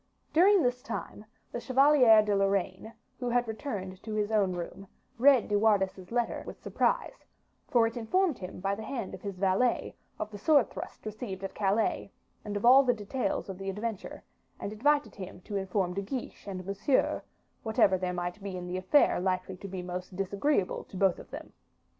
During this time, the Chevalier de Lorraine, who had returned to his own room, read De Wardes's latter with surprise, for it informed him by the hand of his valet, of the sword thrust received at Calais, and of all the details of the adventure, and invited him to inform De Guiche and Monsieur, whatever there might be in the affair likely to be most disagreeable to both of them.